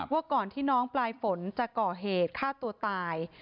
ว่าก่อนที่น้องปลายฝนจะก่อเหตุฆ่าตัวตาย